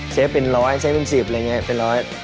เซฟเป็นร้อยเซฟเป็นสิบเป็นร้อย